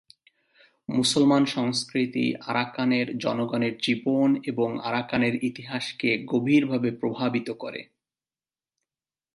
মুসলমান সংস্কৃতি আরাকানের জনগণের জীবন এবং আরাকানের ইতিহাসকে গভীরভাবে প্রভাবিত করে।